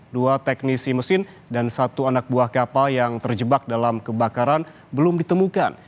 dua teknisi mesin dan satu anak buah kapal yang terjebak dalam kebakaran belum ditemukan